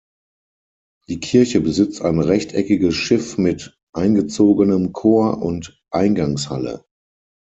Die Kirche besitzt ein rechteckiges Schiff mit eingezogenem Chor und Eingangshalle.